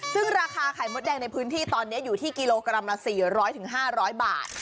ซึ่งราคาไข่มดแดงในพื้นที่ตอนนี้อยู่ที่กิโลกรัมละ๔๐๐๕๐๐บาท